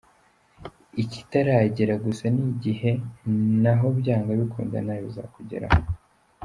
Ikitaragera gusa n’igihe naho byanga bikunda nawe bizakugeraho.